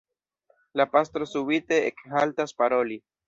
La pastro subite ekhaltas paroli.